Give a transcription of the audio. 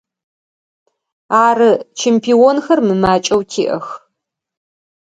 Ары, чемпионхэр мымакӏэу тиӏэх.